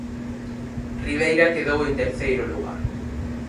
Ribeira quedou en terceiro lugar.